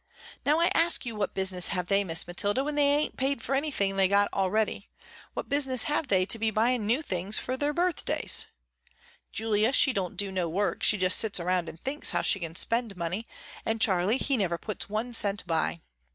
Now I ask you what business have they Miss Mathilda, when they ain't paid for anything they got already, what business have they to be buying new things for her birthdays. Julia she don't do no work, she just sits around and thinks how she can spend the money, and Charley he never puts one cent by.